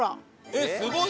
えっすごい！